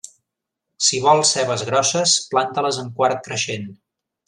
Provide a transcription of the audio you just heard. Si vols cebes grosses, planta-les en quart creixent.